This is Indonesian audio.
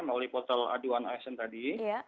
melalui pottal aduan asn tadi